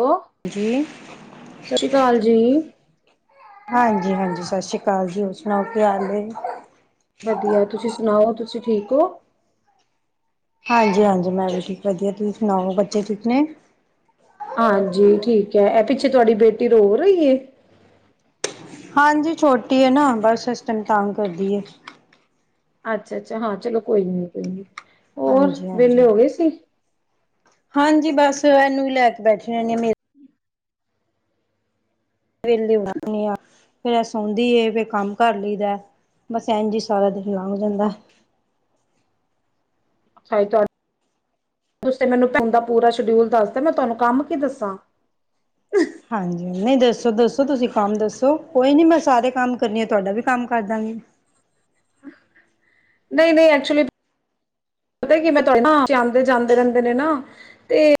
ਓ ਜੀ ਸਤਿ ਸ੍ਰੀ ਅਕਾਲ ਜੀ ਹਾਂਜੀ ਹਾਂਜੀ ਸਤਿ ਸ੍ਰੀ ਅਕਾਲ ਜੀ ਹੋਰ ਸੁਣਾਓ ਕੀ ਹਾਲ ਏ ਵਧੀਆ ਤੁਸੀਂ ਸੁਣਾਓ ਤੁਸੀਂ ਠੀਕ ਹੋ ਹਾਂਜੀ ਹਾਂਜੀ ਮੈ ਵੀ ਠੀਕ ਵਧੀਆ ਹਾਂਜੀ ਠੀਕ ਹੈ ਐਹ ਪਿੱਛੇ ਤੁਹਾਡੀ ਬੇਟੀ ਰੋ ਰਹੀ ਏ ਹਾਂਜੀ ਛੋਟੀ ਹੈ ਨਾ ਬਸ ਇਸਟਮ ਤਾਂਗ ਕਰਦੀ ਹੈ ਅੱਛਾ ਅੱਛਾ ਹਾਂ ਚਲੋ ਕੋਈ ਨੀ ਕੋਈ ਨੀ ਹੋਰ ਹਾਂਜੀ ਵਿਹਲੇ ਹਾਂਜੀ ਹੋ ਗਏ ਸੀ ਹਾਂਜੀ ਬ ਵੇਲੀ ਉਘਣੀ ਆ [unintelligible] ਫੇਿਰ ਇਹ ਸ ਆੋਂਦੀ ਵੀ ਕੰਮ ਕਰ ਲਈਦਾ ਬਸ ਐਨ ਜੀ ਸਾਰਾ ਦਿਨ ਲੰਘ ਜਾਂਦਾ ਮੈਨੂੰ ਦਾ [unintelligible] ਪੂਰਾ ਸ਼ਡਿਊਲ ਦੱਸਦਾ ਮੈਂ ਤੁਹਾਨੂੰ ਕੰਮ ਕੀ ਦੱਸਾਂ ਹਾਂਜੀ ਨਹੀਂ ਦੱਸੋ ਦੱਸੋ ਤੁਸੀਂ ਕੰਮ ਦੱਸੋ ਕੋਈ ਨੀ ਮੈਂ ਸਾਰੇ ਕੰਮ ਕਰਨੀ ਆ ਤੁਹਾਡਾ ਵੀ ਕੰਮ ਕਰ ਦਾਂਗੀ ਨਹੀਂ ਨਹੀਂ ਐਕਚੁਲੀ ਪਤਾ ਕਿ ਮੈਂ ਤੁੇ [unintelligible] ਆਂਦੇ ਜਾਂਦੇ ਰਹਿੰਦੇ ਨੇ ਨਾ ਤੇ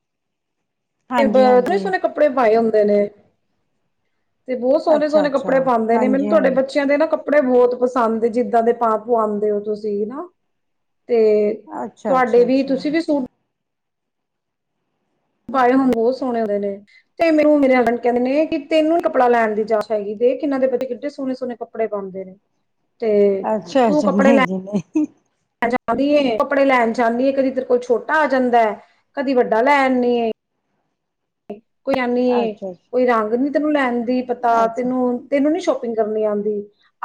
ਹਾਂਜੀ ਸੋਣੇ [unintelligible] ਹਾਂਜੀ ਸੋਹਣੇ ਕੱਪੜੇ ਪਾਏ ਹੁੰਦੇ ਨੇ ਤੇ ਬਹੁਤ ਸੋਹਣੇ ਅੱਛਾ ਸੋਹਣੇ ਅੱਛਾ ਕੱਪੜੇ ਪਾਂਦੇ ਨੇ ਮੈਨੂੰ ਹਾਂਜੀ ਤੁਹਾਡੇ ਹਾਂਜੀ ਬੱਚਿਆਂ ਦੇ ਨਾ ਕਪ ਕੱਪੜੇ ਬਹੁਤ ਪਸੰਦ ਜਿੱਦਾਂ ਦੇ ਭਾਂ ਪੂ ਆਉਂਦੇ ਹੋ ਤੁਸੀਂ ਹਨਾ ਤੇ ਅੱਛਾ ਤੁਹਾਡੇ ਅੱਛਾ ਵੀ ਤੁ ਅੱਛਾ ਪਾਏ ਬਹੁਤ ਸੋਹਣੇ ਹੁੰਦੇ ਨੇ ਤੇ ਮੈਨੂੰ ਮੇਰੇ ਹਸਬੈਂਡ ਕਹਿੰਦੇ ਨੇ ਕਿ ਤੈਨੂੰ ਹੀ ਕੱਪੜਾ ਲੈਣ ਦੀ ਜਾਚ ਹੈਗੀ ਦੇ ਕਿਹਨਾਂ ਦੇ ਪਤੀ ਕਿੱਡੇ ਸੋਹਣੇ ਸੋਹਣੇ ਕੱਪੜੇ ਪਾਉਂਦੇ ਨੇ ਤੇ ਅੱਛਾ ਅੱਛਾ ਨਹੀਂ ਜੀ ਨਹੀਂ ਦੀ [unintelligible] ਕੱਪੜੇ ਲੈਣ ਜਾਂਦੀ ਏ ਕਦੀ ਤੇਰੇ ਕੋਲ ਛੋਟਾ ਆ ਜਾਂਦਾ ਹੈ ਕਦੀ ਵੱਡਾ ਲੈ ਨਹੀਂ ਆ [unintelligible] [inaudible] ਕੋਈ ਐਨੀ ਅੱਛਾ ਕੋਈ ਰੰਗ ਨੀ ਨੂੰ ਲੈਂਣ ਪਤਾ ਅੱਛਾ ਤੈਨੂੰ ਤੈਨੂੰ ਨੀ ਕਰਨੀ ਆਉਂਦੀ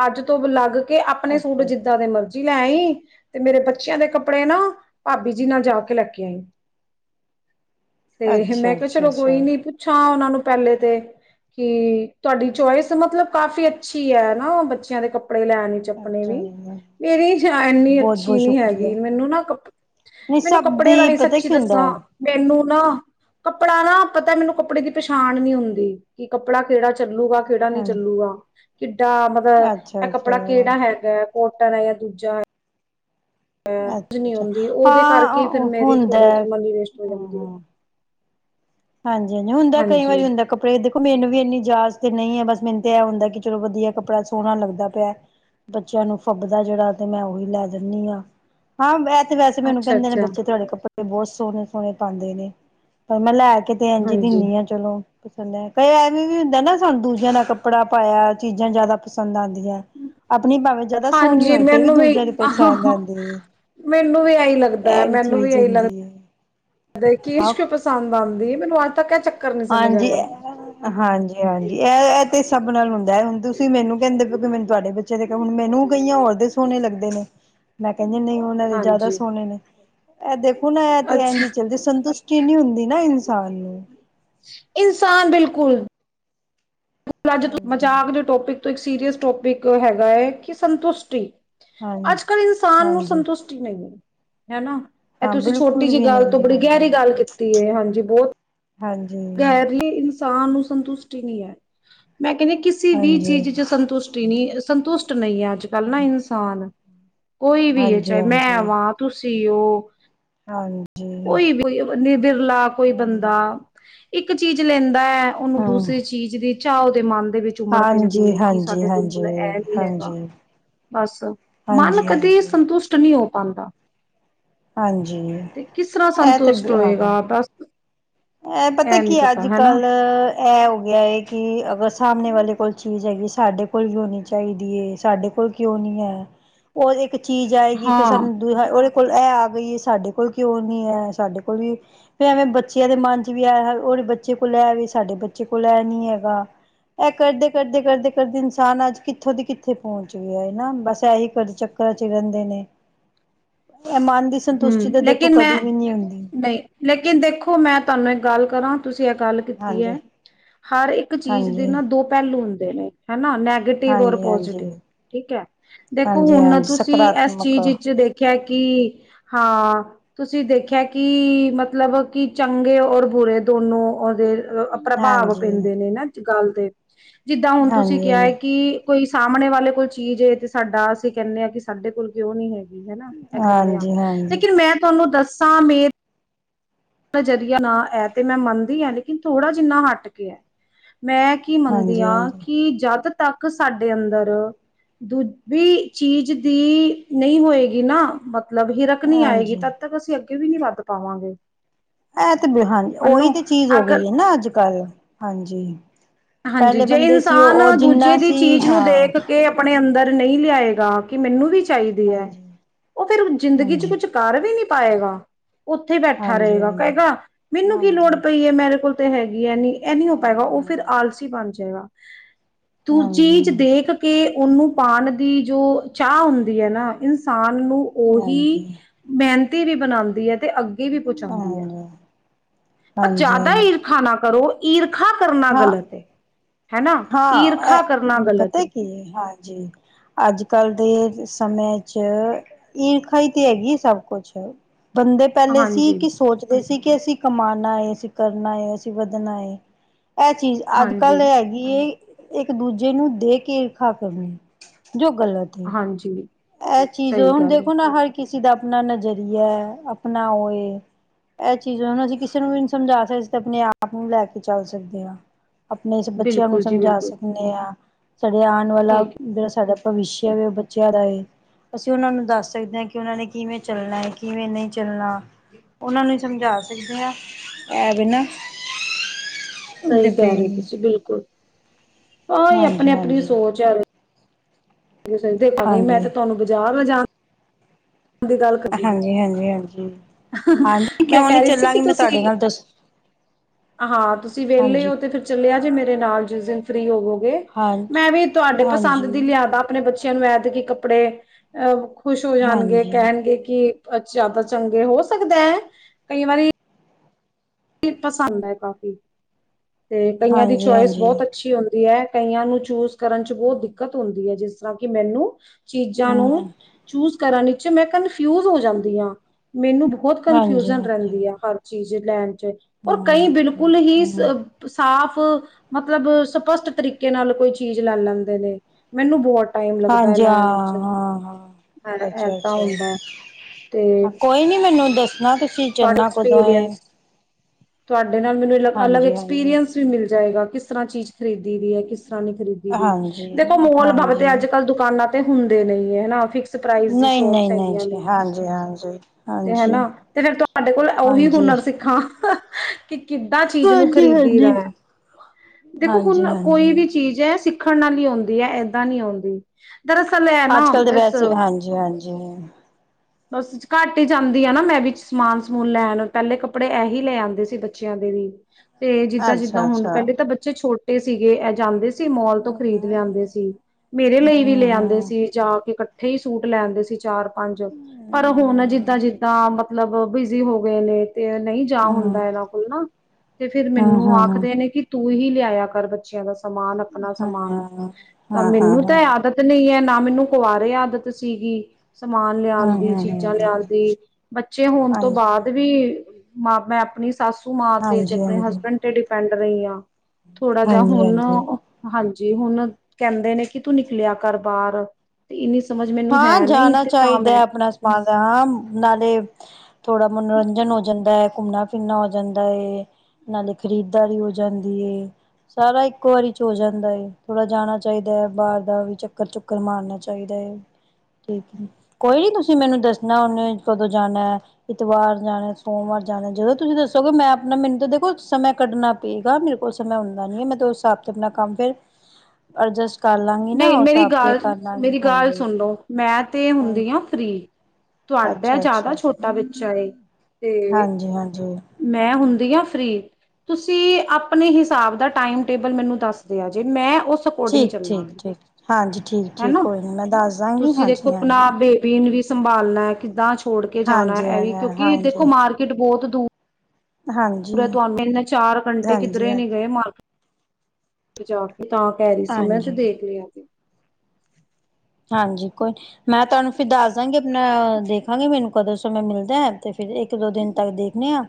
ਅੱਜ ਤੋਂ ਅਲੱਗ ਕੇ ਅੱਛਾ ਆਪਣੇ ਸੂਟ ਅੱਛਾ ਜਿੱਦਾਂ ਦੇ ਮਰਜੀੀ ਲੈ ਆਈ ਤੇ ਮੇਰੇ ਬੱਚਿਆਂ ਦੇ ਕੱਪੜੇ ਨਾ ਭਾਬੀ ਜੀ ਨਾਲ ਜਾ ਕੇ ਲੈ ਕੇ ਆਈ ਤੇ ਮੈਂ ਅੱਛਾ ਅੱਛਾ ਕੁਛ ਅੱਛਾ ਚਲੋ ਅੱਛਾ ਕੋਈ ਨੀ, ਪੁੱਛਾ ਉਹਨਾਂ ਨੂੰ। ਪਹਿਲੇ ਤੇ ਕਿ ਤੁਹਾਡੀ ਚੋਇਸ, ਮਤਲਬ, ਕਾਫੀ ਅੱਛੀ ਹੈ ਨਾ। ਬੱਚਿਆਂ ਦੇ ਕੱਪੜੇ ਕੱਪੜੇ ਲੈਣੇ ਚੱਕਣੇ ਵੀ, ਮੇਰੀ ਜਾਂਚ ਐਨੀ ਬਹੁਤ ਅੱਛੀ ਬਹੁਤ ਨੀ ਸ਼ੁਕਰੀਆ ਹੈਗੀ। ਮੈਨੂੰ ਨਾ, ਕੱਪ, ਨਹੀਂ ਮੈਨੂੰ ਸਭ ਕੱਪੜੇ ਦੀ ਬਾਰੇ ਪਤਾ ਸੱਚੀ ਕੀ ਹੁੰਦਾ ਦੱਸਾਂ, ਹੈ ਮੈਨੂੰ ਨਾਂ। ਕੱਪ ਪਰ ਆ ਨਾ, ਪਤਾ ਮੈਨੂੰ ਕੱਪੜੇ ਦੀ ਪਛਾਣ ਨਹੀਂ ਹੁੰਦੀ ਕਿ ਕੱਪੜਾ ਕਿਹੜਾ ਚੱਲੂਗਾ, ਕਿਹੜਾ ਨਹੀਂ ਹਾਂਜੀ ਚੱਲੂਗਾ। ਕਿਡ ਕਿਆ ਮਤਲਬ, ਇਹ ਅੱਛਾ ਕੱਪੜਾ ਅੱਛਾ ਕਿਹੜਾ ਹੈਗਾ ਐ? ਕੋਟਨ ਹੈ ਜਾਂ ਦੂਜਾ ਹੈ। ਸਮਝ ਨਹੀਂ ਅੱਛਾ-ਅੱਛਾ। ਆਉਂਦੀ ਉਹਦੇ ਕਰਕੇ ਫਿਰ ਹਾਂ, ਮੇਰੀ ਹੁੰਦਾ ਥੋੜਾ ਜਿਹਾ ਮਨੀ ਵੇਸਟ ਹੋ ਜਾਂਦੀ ਹੈ ਹਮ। ਹਾਂਜੀ-ਹਾਂਜੀ। ਹੁੰਦਾ ਕਈ ਹਾਂਜੀ ਵਾਰੀ ਹੁੰਦਾ ਕੱਪੜੇ ਚ। ਦੇਖੋ ਮੈਨੂੰ ਵੀ ਇੰਨੀ ਜਾਚ ਤੇ ਨਹੀਂ ਹੈ। ਬਸ ਮੈਨੂੰ ਤੇ ਇਹ ਹੁੰਦਾ ਕਿ ਚਲੋ ਵਧੀਆ ਕੱਪੜਾ ਸੋਹਣਾ ਲੱਗਦਾ ਪਿਆ। ਬੱਚਿਆਂ ਨੂੰ ਫੱਬਦਾ ਜਿਹੜਾ ਤੇ ਮੈਂ ਉਹੀ ਲੈ ਦਿੰਦੀ ਹਾਂ। ਹਾਂ ਤੇ ਵੈਸੇ ਮੈਨੂੰ ਅੱਛਾ ਕਹਿੰਦੇ ਨੇ ਅੱਛਾ ਬੱਚੇ, ਤੁਹਾਡੇ ਕੱਪੜੇ ਤੇ ਬਹੁਤ ਸੋਹਣੇ-ਸੋਹਣੇ ਪਾਉਂਦੇ ਨੇ ਪਰ ਮੈਂ ਲੈ ਕਿਤੇ ਇੰਝ ਈ ਹਾਂਜੀ ਦਿੰਨੀ ਆ, ਚਲੋ ਪਸੰਦ ਹੈ। ਕਈ ਐਵੇਂ ਵੀ ਹੁੰਦਾ ਨਾ ਸਾਨੂੰ ਦੂਜਿਆਂ ਦਾ ਕੱਪੜਾ ਪਾਇਆ ਚੀਜ਼ਾਂ ਜਿਆਦਾ ਪਸੰਦ ਆਉਂਦੀਆਂ ਆਪਣੀ ਭਾਵੇਂ ਜ਼ਿਆਦਾ ਸੋਹਣੀ ਹਾਂਜੀ, ਹੋਏ ਫਿਰ ਮੈਨੂੰ ਵੀ, ਦੂਜਿਆਂ ਦੀ ਪਸੰਦ ਆਉਂਦੀ ਮੈਨੂੰ ਵੀ ਇਹੀ ਲੱਗਦਾ ਹੈ। ਇਹ ਮੈਨੂੰ ਵੀ ਚੀਜ਼ ਇਹੀ ਲੱਗਦਾ। ਹੁੰਦੀ ਹੈ [unintelligible] ਹਾਂ ਕਿਉ ਪਸੰਦ ਆਉਂਦੀ ਐ, ਮੈਨੂੰ [unintelligible] ਹਾਂਜੀ, ਆਇਆ ਹਾਂਜੀ-ਹਾਂਜੀ। ਇਹ-ਇਹ ਤੇ ਸਭ ਨਾਲ ਹੁੰਦਾ ਹੈ। ਤੁਸੀਂ ਮੈਨੂੰ ਕਹਿੰਦੇ ਕਿ ਮੈਨੂੰ ਤੁਹਾਡੇ ਬੱਚੇ ਦੇ ਹੁਣ ਮੈਨੂੰ ਕਈਆਂ ਉਹਦੇ ਸੋਹਣੇ ਲੱਗਦੇ ਨੇ। ਮੈਂ ਕਹਿੰਦੇ ਨਹੀਂ, ਉਹਨਾਂ ਦੇ ਜ਼ਿਆਦਾ ਹਾਂਜੀ ਸੋਹਣੇ ਨੇ। ਇਹ ਦੇਖ ਹੁਣ ਐ ਤੇ ਐਨਜ ਅੱਛਾ ਈ ਚੱਲਦੇ, ਸੰਤੁਸ਼ ਕਿ ਨੀ ਹੁੰਦੀ ਨਾ ਇਨਸਾਨ ਨੂੰ ਇਨਸਾਨ ਬਿਲਕੁਲ ਅੱਜ ਤੂੰ ਹਾਂਜੀ ਬਚਾ ਕੇ ਜੋ ਟੋਪਿਕ ਤੋ ਇੱਕ ਸੀਰੀਅਸ ਟੋਪਿਕ ਹੈਗਾ ਹੈ ਕਿ ਸੰਤੁਸ਼ਟੀ ਹਾਂਜੀ ਹਾਂਜੀ ਅੱਜ-ਕੱਲ੍ਹ ਇਨਸਾਨ ਨੂੰ ਹਾਂਜੀ ਸੰਤੁਸ਼ਟੀ ਨਹੀਂ। ਹੈਨਾ। ਇਹ ਹਾਂ ਤੁਸੀਂ ਛੋਟੀ ਬਿਲਕੁਲ ਜਿਹੀ ਵੀ ਗੱਲ ਤੋਂ ਨਹੀਂ ਬੜੀ ਹਾਂਜੀ ਗਹਿਰੀ ਗੱਲ ਕੀਤੀ ਐ। ਹਾਂਜੀ, ਬਹੁਤ ਹਾਂਜੀ ਇਸਨਾਨ ਨੂੰ ਸੰਤੁਸ਼ਟੀ ਨਹੀਂ ਹੈ। ਮੈਂ ਕਹਿੰਨੀ ਆ, ਕਿਸੀ ਵੀ ਹਾਂਜੀ ਚੀਜ਼ ਚ ਸੰਤੁਸ਼ਟੀ ਨੀ। ਸਤੁਸ਼ਟ ਨਹੀਂ ਹੈ ਅੱਜ ਕੱਲ ਨਾ ਹਾਂਜੀ ਇਨਸਾਨ ਕੋਈ ਵੀ ਹੈ ਚਾਹੇ ਮੈਂ ਹਾਂਜੀ ਵਾਂ ਤੁਸੀਂ ਜੀਓ ਹਾਂਜੀ ਕੋਈ ਵੀ ਨ ਬਿਰਲਾ ਕੋਈ ਬੰਦਾ ਹਾਂਜੀ ਇੱਕ ਚੀਜ਼ ਲੈਂਦਾ ਹੈ ਉਹਨੂੰ ਹਮ ਦੂਸਰੇ ਚੀਜ਼ ਦੇ ਚਾਓ ਦੇ ਮੰਨ ਦੇ ਵਿੱਚ ਉਮੜ ਪੈਂਦੀ ਹਾਂਜੀ ਹੈ ਕਿ ਹਾਂਜੀ ਸਾਡੇ ਕੋਲ ਮੁੱਲ ਹਾਂਜੀ ਇਹ ਨ ਹੈਗਾ ਹਾਂਜੀ ਬਸ ਮਨ ਹਾਂਜੀ ਕਦੇ ਹਾਂਜੀ ਸੰਤੁਸ਼ਟ ਨਹੀਂ ਹੋ ਪੰਦਰ ਹਾਂਜੀ ਤੇ ਕਿਸ ਤਰ੍ਹਾਂ ਇਹ ਸੰਤੁਸ਼ਟ ਤੇ ਹਾਂ ਹੋਏਗਾ ਬ ਇਹ ਪਤਾ ਕੀ ਅੱਜ ਕੱਲ ਇਹ ਹੋ ਗਿਆ ਹੈ ਕਿ ਅਗਰ ਸਾਹਮਣੇ ਵਾਲੇ ਕੋਲ ਚੀਜ਼ ਹੈਗੀ ਸਾਡੇ ਕੋਲ ਕਿਉੀ ਚਾਹੀਦੀ ਹੈ ਸਾਡੇ ਕੋਲ ਕਿਉਂ ਨਹੀਂੀ ਹੈ ਉਹ ਇੱਕ ਇੱਕ ਚੀਜ਼ ਆਏਗੀ ਫਿਰ ਹਾਂ ਸਾਨੂੰ ਦ ਕੋਲ ਇਹ ਆ ਗਈਏ ਸਾਡੇ ਕੋਲ ਕਿਉਂ ਨੀ ਹੈ ਸਾਡੇ ਕੋਲ ਵੀ ਫਿਰ ਐਵੇਂ ਬੱਚੇ ਬੱਚਿਆਂ ਦੇ ਮਨ ਚ ਵੀ ਆ ਉਹਦੇ ਬੱਚੇ ਕੋਲ ਐ ਵੀ ਸਾਡੇ ਬੱਚੇ ਕੋਲ ਐ ਨੀ ਹੈਗਾ ਇਹ ਕਰਦੇ ਕਰਦੇ ਕਰਦੇ ਕਰਦੇ ਇਨਸਾਨ ਅੱਜ ਕਿੱਥੋਂ ਦੀ ਕਿੱਥੇ ਪਹੁੰਚ ਗਿਆ ਨਾ ਬਸ ਇਹੀ ਕਰਦੇ ਚੱਕਰਾਂ ਚ ਰਹਿੰਦੇ ਨੇ ਇਹ ਮਨ ਦੀ ਸੰਤੁਸ਼ਟੀ ਹਮ ਤਾਂ ਦੇਖੋ ਲੇਕਿਨ ਮੈਂ ਕਦੀ ਵੀ ਨਹੀਂ ਹੁੰਦੀ ਨਹੀਂ ਲੇਕਿਨ ਦੇਖੋ ਮੈਂ ਤੁਹਾਨੂੰ ਇੱਕ ਗੱਲ ਕਰਾਂ ਤੁਸੀਂ ਇਹ ਗੱਲ ਕੀਤੀ ਹਾਂਜੀ ਹੈ ਹਰ ਇੱਕ ਚੀਜ਼ ਦੇ ਹਾਂਜੀ ਨਾ ਦੋ ਪਹਿਲੂ ਹੁੰਦੇ ਨੇ ਨਾ ਨੈਗੇਟਿਵ ਔਰ ਹਾਂਜੀ ਹਾਂਜੀ ਪੋਜ਼ਟਿਵ ਠੀਕ ਹੈ ਦੇਖੋ ਹਾਂਜੀ ਹੁਣ ਹਾਂਜੀ ਤੁਸੀਂ ਇਸ ਸਕਾਰਾਤਮਕ ਚੀਜ਼ ਵਿੱਚ ਦੇਖਿਆ ਕੀ ਹਾਂ ਤੁਸੀਂ ਦੇਖਿਆ ਕਿ ਮਤਲਬ ਕਿ ਚੰਗੇ ਔਰ ਬੁਰੇ ਦੋਨੋ ਉਹਦੇ ਪ੍ਰਭਾਵ ਹਾਂਜੀ ਪੈਂਦੇ ਨੇ ਨਾ ਗੱਲ ਦੇ ਜਿੱਦਾਂ ਹੁਣ ਤੁਸੀਂ ਕਿਹਾ ਹੈ ਹਾਂਜੀ ਕਿ ਕੋਈ ਸਾਹਮਣੇ ਵਾਲੇ ਕੋਈ ਚੀਜ਼ ਹੈ ਤੇ ਸਾਡਾ ਅਸੀਂ ਕਹਿੰਦੇ ਹਾਂ ਕਿ ਸਾਡੇ ਕੋਲ ਕਿਉਂ ਨਹੀਂੀ ਹੈਗਾ ਹਨਾ ਇਹ ਕਹਿੰ ਲਿਆ ਹਾਂਜੀ ਹਾਂਜੀ ਲੇਕਿਨ ਮੈਂ ਤੁਹਾਨੂੰ ਦੱਸ ਸਾਮੇਤ ਨਜ਼ਰੀਆ ਨਾ ਐਤੇ ਮੈਂ ਮੰਨਦੀ ਆਂ ਲੇਕਿਨ ਥੋੜ੍ਹਾ ਜਿੰਨਾ ਹਟ ਕੇ ਮੈਂ ਕੀ ਮੰਨਦੀ ਹਾਂਜੀ ਆਂ ਹਾਂਜੀ ਕਿ ਜਦ ਤੱਕ ਸਾਡੇ ਅੰਦਰ ਦੂਜੀ ਚੀਜ਼ ਦੀ ਨਈਂ ਹੋਏਗੀ ਨਾ ਮਤ ਮਤਲ ਹਿਰਕ ਨੀਂ ਆਏਗੀ ਹਾਂਜੀ ਤਦ ਤੱਕ ਅਸੀਂ ਅੱਗੇ ਗੇ ਵੀ ਨੀ ਵੱਧ ਪਾਵਾਂਗੇ। ਇਹ ਤੇ ਬ ਹਾਂਜੀ ਓਹੀ ਮੰਨੋ ਤੇ ਚੀਜ਼ ਹੋ ਅਗਰ ਗਈ ਐ ਨਾਂ ਅੱਜ ਕੱਲ, ਹਾਂਜੀ। ਹਾਂਜੀ ਪਹਿਲੇ ਜੇ ਬੰਦੇ ਸੀ ਉਹ ਇਨਸਾਨ ਉਹ ਦੂਜੇ ਜਿੰਨਾ ਦੀ ਸੀ ਚੀਜ਼ ਨੂੰ ਹਾਂ ਦੇਖ ਕੇ ਆਪਣੇ ਅੰ ਦਰ ਨਹੀਂ ਲਿਆਏਗਾ ਕਿ ਮੈਨੂੰ ਵੀ ਚ ਚਾਈਦੀਏ ਹਾਂਜੀ ਉਹ ਫਿਰ ਜ਼ਿੰਦਗੀ ਚ ਹਾਂਜੀ ਕੁਛ ਕਰ ਵੀ ਨਹੀਂਂ ਪ ਪਾਏਗਾ। ਉੱਥੇ ਬੈਠਾ ਹਾਂਜੀ ਰਹੇਗਾ ਹਾਂਜੀ ਕਏਗਾ ਮੈਨੂੰ ਕੀ ਲੋੜ ਹਾਂਜੀ ਪਈ ਐ ਮੇਰੇ ਕੋਲ ਤੇ ਹੈਗੇ ਕਿ ਏ ਨਈਂ ਇਹ ਨਹੀਂ ਹੋ ਹਾਂ ਪਏਗਾ ਉਹ ਫਿਰ ਆਲਸ ਬਣ ਜਏਗਾ। ਤੂੰ ਹਾਂਜੀ ਹਾਂਜੀ ਚੀਜ਼ ਦੇਖ ਕੇ ਉਹਨੂੰ ਪਾਣ ਦੀ ਜੋ ਚਾਹ ਹੁੰਦੀ ਹੈ ਨਾ ਇਨਸਾਨ ਨੂੰ ਹਾਂਜੀ ਉਹੀ ਮੇਨ ਤੀ ਵੀ ਬਣਾਉਂਦੀ ਐ। ਅੱਗੇ ਵੀ ਪਹੁੰਚਾਉਂਦੀ ਐ, ਹਾਂਜੀ ਪਰ ਜ਼ਿਆਦਾ ਹਾਂਜੀ ਈਰਖਾ ਨਾ ਕਰੋ। ਈਰ ਖਾ ਕਰਨਾ ਹਾਂ ਗਲਤ ਐ। ਹਾਂ, ਇਹ ਗ਼ਲਤ ਪਤਾ ਹੈ ਕੀ! ਹਾਂਜੀ ਅੱਜ ਕੱਲ ਦੇ ਸਮੇ ਚ ਈਰਖਾ ਈ ਤੇ ਹੈਗੀ ਸਭ ਕੁਛ ਬੰਦੇ ਪਹਿਲੇ ਸੀ ਹਾਂਜੀ, ਕਿ ਸੋਚਦੇ ਸੀ ਕਿ ਅਸੀਂ ਕਮਾਣਾ ਏ ਅਸੀਂ ਕਰਨਾ ਏ ਅਸੀਂ ਵਧਣਾ ਏ। ਇਹ ਚੀਜ਼ ਅੱਜ ਹਾਂਜੀ, ਕੱਲ ਐ ਹੈ ਆ ਇੱਕ ਦੂਜੇ ਨੂੰ ਦੇਕੇ ਰਖਾ ਕਰਨੀ ਏ। ਜੋ ਗਲਤ ਐ ਹਾਂਜੀ ਇਹ ਚੀਜ਼ ਸਹੀ ਹੁਣ ਗੱਲ ਹੈ ਦੇਖੋ ਨਾ ਹਰ ਕਿਸੇ ਦਾ ਆਪਣਾ ਨਜ਼ਰੀਆ ਆਪਣਾ ਉਹਏ ਇਹ ਚੀਜ਼ ਹੁਣ ਅਸੀਂ ਕਿਸੇ ਨੂੰ ਵੀ ਨਹੀਂ ਸਮਝਾ ਸਕਦੇ ਤਾਂ ਆਪਣੇ ਆਪ ਨੂੰ ਲੈ ਕੇ ਚੱਲ ਸਕਦੇ ਆਂ। ਆਪਣੇ ਬੱਚਿਆਂ ਨੂੰ ਬਿਲਕੁਲ ਜੀ ਸਮਝਾ ਬਿਲਕੁਲ ਸਕਣੇ ਆਂ ਸਾਡੇ ਆਉਣ ਵਾਲਾ ਠੀਕ ਜਿਹੜਾ ਸਾਡਾ ਭਵਿੱਸ਼ਯ ਵ ਉਹ ਬੱਚਿਆਂ ਦਾ ਅਸੀਂ ਉਹਨਾਂ ਨੂੰ ਦੱਸ ਸਕਦੇ ਹਾਂ ਕਿ ਉਹਨਾਂ ਨੇ ਕਿਵੇਂ ਚੱਲਣਾ ਹੈ ਕਿਵੇਂ ਨਹੀਂ ਚੱਲਣਾ ਉਹਨਾਂ ਨੂੰ ਸਮਝਾ ਸਕਦੇ ਹਾਂ ਐ ਬਿ ਨਾ ਹੁੰਦੇ ਸਹੀ ਕਹਿ ਰਹੇ ਹੋ ਪਏ। ਤੁਸੀਂ ਬਿਲਕੁਲ ਹੀ ਹਾਂਜੀ ਆਪਣੀ ਆਪਣੀ ਹਾਂਜੀ ਹਾਂਜੀ ਸੋਚ ਹੈ ਦੇਖਾ ਗਈ ਮੈਂ ਹਾਂਜੀ ਤੇ ਤੁਹਾਨੂੰ ਬਾਜਾਰ ਵ ਜਾ ਕੇਗਾ ਹਾਂਜੀ ਹਾਂਜੀ ਹਾਂਜੀ ਮੈਂ ਕਿਉਂ ਨੀ ਕਹਿ ਰਹੀ ਸੀ ਕਿ ਚੱਲਾਂਗੀ ਮੈਂ ਤੁਸੀਂ ਤੁਹਾਡੇ ਨਾਲ ਦੱਸ ਹਾਂ ਤੁਸੀਂ ਵਿਹਲੇ ਹਾਂਜੀ ਹੋ ਤੇ ਫਿਰ ਚੱਲਿਆ ਜੇ ਮੇਰੇ ਨਾਲ ਜਿਸ ਦਿ ਫਰੀ ਹੋਵੋ ਮੈਂ ਹਾਂਜੀ, ਵੀ ਤੁਹਾਡੇ ਪਸੰਦ ਦੀ ਹਾਂਜੀ, ਲਿਆਦਾ ਆਪਣੇ ਬੱਚੇ ਬੱਚਿਆਂ ਨੂੰ ਐਦ ਕੇ ਕੱਪੜੇ ਅਹ ਖੁਸ਼ ਹੋ ਜਾਣਗੇ ਹਾਂਜੀ ਕਹਿਣਗੇ ਕਿ ਜ਼ਿਆਦਾ ਚੰਗੇ ਹੋ ਸਕਦਾ ਹੈ ਕਈ ਵਾਰੀ ਪਸੰਦ ਹੈ ਕਾਫੀ ਤੇ ਕਈਆਂ ਦੀ ਹਾਂਜੀ, ਚੁਆਇਸ ਹਾਂਜੀ। ਬਹੁਤ ਅੱਛੀ ਹੁੰਦੀ ਹੈ ਕਈਆਂ ਨੂੰ ਚੂਸ ਕਰਨ ਚ ਬਹੁਤ ਦਿੱਕਤ ਹੁੰਦੀ ਹੈ ਜਿਸ ਕਿ ਮੈਨੂੰ ਚੀਜ਼ਾਂ ਨੂੰ ਹੂੰ, ਚੂਸ ਕਰਾਂ ਮੈਂ ਕਨਫਿਊਜ ਹੋ ਜਾਂਦੀ ਹਾਂ ਮੈਨੂੰ ਬਹੁਤ ਹਾਂਜੀ, ਕੰਨਫਿਊਜਨ ਹਾਂਜੀ, ਰਹਿੰਦੀ ਹੈ ਹਰ ਚੀਜ਼ ਨਿਜ਼ੀਲੈਂਡ ਰ ਕਈ ਹੂੰ, ਬਿਲਕੁਲ ਹੀ ਹੂੰ। ਅ ਸਾਫ਼ ਮਤਲਬ ਸਪਸ਼ਟ ਤਰੀਕੇ ਨਾਲ ਕੋਈ ਚੀਜ਼ ਲੈ ਲੈਂਦੇ ਨੇ ਮੈਨੂੰ ਬਹੁਤ ਟਾਈਮ ਲੱਗਦਾ ਹੈ ਹਾਂਜੀ ਹਾਂ ਲੈਣ ਵਿੱਚ ਹਾਂ ਹਾਂ ਅੱਛਾ ਏਦਾਂ ਹੁੰਦਾ ਹੈ ਤੇ ਅੱਛਾ ਕੋਈ ਨੀ ਮੈਨੂੰ ਦੇਖਣਾ ਫਿਰ ਚੱਲਣਾ ਕੁਦੋਂ ਹੈ ਤੁਹਾਡਾ ਸਾੇ ਨਾਲ ਮੈਨੂੰ ਅਲਗ ਐਕਸਪੀਰੀਅੰਸ ਵੀ ਮਿਲਦਾ ਜਾਏਗਾ ਕਿਸ ਤਰ੍ਹਾਂ ਚੀਜ਼ ਖਰੀਦੀ ਦੀ ਹੈ ਕਿਸ ਤਰ੍ਹਾਂ ਨ ਖਰੀਦੀ ਦੀ ਹਾਂਜੀ, ਦੇਖੋ ਮੋਲ ਬਵ ਹਾਂਜੀ। ਤੇ ਅੱਜ ਕੱਲ ਦੁਕਾਨਾਂ ਹੁੰਦੇ ਨਹੀਂ ਹਨਾ ਫਿਕਸ ਪ੍ਰਾਈਸ ਦੀ ਨਹੀਂ ਨਹੀਂ ਸ਼ੋਪਸ ਨਹੀਂ ਹੈਗੀਆਂ ਜੀ ਨੇ ਹਾਂਜੀ ਹਾਂਜੀ ਹਾਂਜੀ ਸਾਡੇ ਕੋਲ ਓਹੀ ਹਾਂਜੀ। ਹੁਨਰ ਸਿੱਖਾਂ ਕਿ ਕਿੱਦਾਂ ਚੀਜ਼ ਨੂੰ ਹਾਂਜੀ, ਖਰੀਦੀ ਦਾ ਹਾਂਜੀ, ਹੈ, ਦੇਖੋ ਹਾਂਜੀ, ਹੁਣ ਹਾਂਜੀ। ਕੋਈ ਵੀ ਚੀਜ਼ ਹੈ ਸਿੱਖ ਦੇਖਣ ਨਾਲੀ ਆਉਂਦੀ ਹੈ ਏਦਾਂ ਨੀ ਆਉਂਦੀ ਦਰਅਸਲ ਏ ਨਾ ਅੱਜ-ਕੱਲ ਦੇ ਬੱਸ ਵੈਸੇ [unintelligible] ਬਸ ਘੱਟ ਹੀ ਜਾਂਦੀ ਆ ਨਾ ਮੈਂ ਵੀ ਸਮਾਨ ਸਮੂਨ ਲੈਣ ਪਹਿਲੇ ਕੱਪੜੇ ਏਹੀ ਲੈ ਆਦੇ ਸੀ ਬੱਚਿਆਂ ਦੇ ਵੀ। ਤੇ ਜਿੱਦਾਂ ਜਿੱਦਾਂ ਅੱਛਾ, ਹੁਣ ਅੱਛਾ। ਪਹਿਲੇ ਤਾਂ ਬੱਚੇ ਛੋ [unintelligible] ਸੀਗੇ ਇਹ ਜਾਂਦੇ ਸੀ ਮੋਲ ਤੋਂ ਖਰੀਦ ਹਾਂਜੀ-ਹਾਂਜੀ, ਲਿਆਦੇ ਸੀ ਮੇਰੇ ਲਈ ਵੀ ਲਿਆਂਦੇ ਸੀ ਜਾ ਕੇ ਕੱ [unintelligible] ਸੂਟ ਲੈਦੇ ਸੀ ਚਾਰ ਪੰਜ ਪਰ ਹੁਣ ਜਿੱਦਾਂ ਜਿੱਦਾਂ ਮਤਲਬ ਬਿਜੀ ਹੋ ਗਏ ਨੇ ਤੇ ਨਹੀਂ ਜਾ ਹੁੰਦਾ ਇਹਨਾਂ ਕੋਲ ਨਾ, ਤੇ ਫਿਰ ਮੈਨੂੰ ਆਖਦੇ ਨੇ ਕਿ ਤੂੰ ਤੁਹੀ ਲਿਆਇਆ ਕਰ ਬੱਚਿਆਂ ਦਾ ਸ ਸਮਾਨ ਅਪਨਾ ਸਮਾਨ ਤਾਂ ਮੈਨੂੰ ਤੇ ਆਦਤ ਨਈ ਏ ਨਾ ਮੈਨੂੰ ਕੁਵਰੇ ਆਦਤ ਸੀਗੀ ਸਮਾਨ ਲਿਆਨ ਦੀ ਚੀਜ਼ਾਂ ਲਿਆਨ ਦੀ ਬੱਚੇ ਹੋਣ ਤੋਂ ਬਾਅਦ ਵੀ ਮਾਂ ਮੈਂ ਆਪਨੀ ਸਾਸੂ ਮਾਂ ਤੇ ਤੇ ਅਪਨੇ ਹਸਬੈਂਡ ਤੇ ਡਿਪੈਂਡ ਰਹੀ ਆ ਥੋੜਾ ਜਾ ਹੁਨ, ਹਾਂਜੀ-ਹਾਂਜੀ ਹਾਂਜੀ ਜੀ ਹੁਨ ਕਹਿੰਦੇ ਨੇ ਕਿ ਤੂੰ ਨਿਕਲਿਆ ਕਰ ਬਾਹਰ ਤੇ ਇੰਨੀ ਸਮਝ ਮੈਨੂੰ ਹਾਂ ਹੈ ਨਹੀਂ ਜਾਣਾ ਤੇ ਤਾਂ ਚਾਹੀਦਾ ਮੈਂ ਹੈ ਆਪਨਾ ਸ [unintelligible] ਹਾਂ ਨਾਲੇ ਥੋੜਾ ਮਨੋਰੰਜਨ ਹੋ ਜਾਂਦਾ ਹੈ ਘੁੰਮਨਾ ਫਿਰਨਾ ਹੋ ਜਾਂਦਾ ਏ ਨਾਲੇ ਖਰੀਦਦਾਰੀ ਹੋ ਜਾਂਦੀ ਹੈ ਸਾਰਾ ਇੱਕੋ ਵਾਰੀ ਚ ਹੋ ਜਾਂਦਾ ਏ, ਥੋੜਾ ਜਾਣਾ ਚਾਹੀਦਾ ਹੈ ਬਾਹਰ ਦਾ ਵੀ ਚੱਕਰ ਚੁੱਕਰ ਮਾਰਨੇ ਚਾਹੀਦਾ ਏ। ਠੀਕ, ਕੋਈ ਨੀ ਤੁਸੀਂ ਮੈਨੂੰ ਦੱਸਨਾ ਉਹਨੇ ਕਦੋਂ ਜਾਨੇ ਇਤਵਾਰ ਜਾਣਾ ਸੋਮਵਾਰ ਜਾਨੇ ਜਦੋਂ ਤੁਸੀਂ ਦੱਸੋਗੇ ਮੈਂ ਆਪਨਾ ਮੈਨੂੰ ਤਾਂ ਦੇਖੋ ਸਮੇਂ ਕੱਢਨਾ ਪਏਗਾ ਮੇਰੇ ਕੋਲ ਸਮੇਂ ਹੁੰਦਾ ਨੀ ਹੈ ਮੈਂ ਤੇ ਉਸ ਹਿਸਾਬ ਤੇ ਅਪਨਾ ਕੰਮ ਫਿਰ ਅਜਸਟ ਕਰ ਲਾਂਗੀ ਨਾ ਨਹੀਂ ਉਸ ਮੇਰੀ ਹਿਸਾਬ ਤੇ ਗੱਲ ਕਰ ਲਾਂਗੀ, ਮੇਰੀ ਗੱਲ ਹਾਂਜੀ ਸੁਣ ਲਓ ਮੈਂ ਤੇ ਹਾਂ ਹੁੰਦੀ ਆ ਫ੍ਰਰੀ ਤੁਹਾਡਾ ਐ ਅੱਛਾ ਜ਼ਿਆਦਾ ਅੱਛਾ ਛੋਟਾ ਬੱਚਾ ਏ? ਤੇ ਹਾਂਜੀ ਹਾਂਜੀ ਮੈਂ ਹੁੰਦੀ ਆ ਫ੍ਰਰੀ ਤੁਸੀਂ ਆਪਨੇ ਹਿਸਾਬ ਦਾ ਟਾਈਮ ਟੇਬਲ ਮੈਨੂੰ ਦੱਸ ਦੇ ਆ ਜੇ ਮੈਂ ਉਸ ਅਕੋਰਡਿੰਗ ਠੀਕ ਠੀਕ ਚੱਲਾਂਗੇ। ਹਾਂਜੀ ਠੀਕ ਠੀਕ ਕੋਈ ਨੀ ਮੈਂ ਦੱਸ ਦਾਂਗੀ ਤੁਸੀਂ ਦੇਖੋ ਹਾਂਜੀ ਆਪਣਾ ਹਾਂਜੀ ਬੇਬੀ ਨੂੰ ਵੀ ਸੰਭਾਲਣਾ ਕਿੱਦਾਂ ਛੋੜ ਕੇ ਜਾਣਾ ਹਾਂਜੀ ਹਾਂਜੀ ਇਹ ਵੀ ਕਿਉਂਕਿ ਹਾਂਜੀ ਦੇਖੋ ਹਾਂਜੀ ਮਾਰਕੀਟ ਬਹੁਤ ਦੋ ਪਰ ਹਾਂਜੀ ਤੁਹਾਨੂੰ ਮੇਰੇ ਇੰਨੇ ਚਾਰ ਘੰਟੇ ਕਿੱਧਰੇ ਹਾਂਜੀ ਨੀ ਗਏ ਮਾਰਕੀ [inaudible] ਤਾਂ ਕਹਿ ਰਹੀ ਸੀ ਮੈਂ ਤੇ ਹਾਂਜੀ ਦੇਖ ਲਿਆ ਤੇ ਹਾਂਜੀ ਕੋਈ ਮੈਂ ਤੁਹਾਨੂੰ ਫਿਰ ਦੱਸ ਦਾਂਗੀ ਆਪਣਾ ਦੇਖਾਂਗੇ ਮੈਨੂੰ ਕਦੋਂ ਸਮੇਾਂ ਮਿਲਦਾ ਹੈ ਤੇ ਫਿਰ ਇੱਕ ਦੋ ਦਿਨ ਤੱਕ ਦੇਖਣੇ ਆ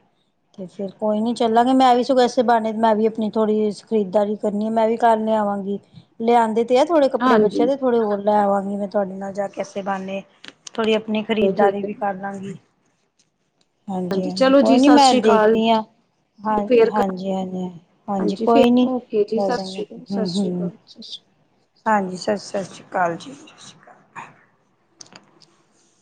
ਤੇ ਫੇਰ ਕੋਈ ਨੀ ਚੱਲਾਂਗੇ ਮੈਂ ਵੀ ਸੁੈਸੇ ਬਣੇ ਮੈਂ ਵੀ ਆਪਣੀ ਥੋੜੀ ਖਰੀਦਦਾਰੀ ਕਰਨੀ ਆ ਮੈਂ ਵੀ ਘਰ ਲਿਆਵਾਂਗੀ ਲਿਆਦੇ ਇਹ ਥੋੜੇ ਕੱਪੜੇ ਬੱਚਿਆਂ ਹਾਂਜੀ ਦੇ ਥੋੜੇ ਲੈ ਆਵਾਂਗੇ ਮੈਂ ਤੁਹਾਡੇ ਨਾਲ ਜਾ ਕੇ ਅਸੀਂ ਬਣਨੇ ਥੋੜ੍ਹੀ ਆਪਣੀ ਖਰੀਦਾਰੀ ਠੀਕ ਹੈ ਵੀ ਕਰ ਲਾਂਗੀ ਹਾਂਜੀ ਹਾਂਜੀ ਚਲੋ ਕੋਈ ਜੀ ਨੀ ਸਤਿ ਮੈਂ ਸ੍ਰੀ ਅਕਾਲ ਦੇਖਦੀ ਹਾਂ ਹਾਂ ਫੇਰ ਹਾਂਜੀ ਹਾਂਜੀ ਹਾਂਜੀ ਫੇਰ ਕੋਈ ਨੀ ਓਕੇ ਜੀ ਸਤਿ ਦੱਸ ਦਾਂਗੇ ਸ਼੍ਰੀ ਅਕਾਲ ਸਤਿ ਹਮ ਸ਼੍ਰੀ ਹਮ ਅਕਾਲ ਸਤਿ ਸ਼੍ਰੀ ਅਕਾਲ ਹਾਂਜੀ ਸ ਸਤਿ ਸ੍ਰੀ ਅਕਾਲ ਜੀ ਸਤਿ ਸ਼੍ਰੀ ਅਕਾਲ [inaudible]